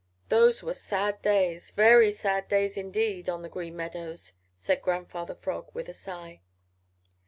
Those were sad days, very sad days indeed on the Green Meadows," said Grandfather Frog, with a sigh.